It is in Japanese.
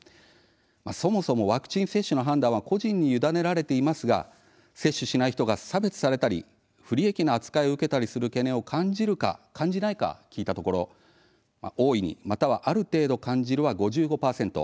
そもそもワクチン接種の判断は個人に委ねられていますが接種しない人が差別されたり不利益な扱いを受けたりする懸念を感じるか感じないか聞いたところ大いに、またはある程度感じるは５５％。